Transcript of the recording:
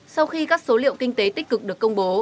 sau khi các số liệu kinh tế tích cực được công bố